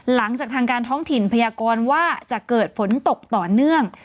หลังจากทางการท้องถิ่นพยากรว่าจะเกิดฝนตกต่อเนื่อง